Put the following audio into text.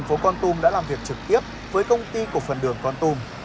ubnd tp con tum đã làm việc trực tiếp với công ty của phần đường con tum